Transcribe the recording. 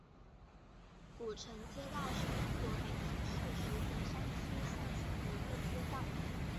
古城街道是中国北京市石景山区下辖的一个街道。